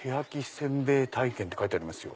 せんべい体験」って書いてありますよ。